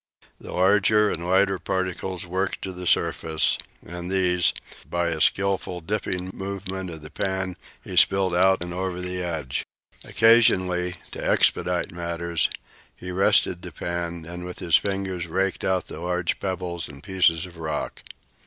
The larger and the lighter particles worked to the surface, and these, by a skilful dipping movement of the pan, he spilled out and over the edge. Occasionally, to expedite matters, he rested the pan and with his fingers raked out the large pebbles and pieces of rock.